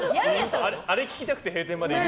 あれ聴きたくて閉店までいる。